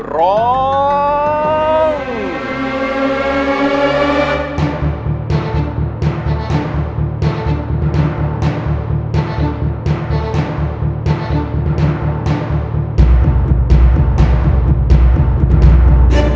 ร้องได้ให้ร้อง